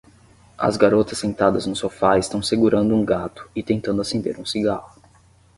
As garotas sentadas no sofá estão segurando um gato e tentando acender um cigarro.